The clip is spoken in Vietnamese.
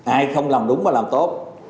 ai không làm đúng và làm tốt